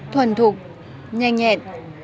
thuần thuộc nhanh nhẹn